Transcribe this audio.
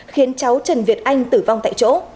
khiến cháu trần việt anh tử vong tại chỗ